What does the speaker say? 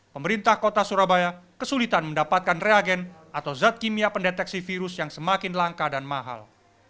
pemerintah kota surabaya kesulitan mendapatkan reagen atau zat kimia pendeteksi virus yang semakin langka dan mahal